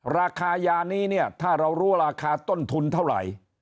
ราคายานี้เนี่ยถ้าเรารู้ราคาต้นทุนเท่าไหร่